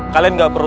kalian gak perlu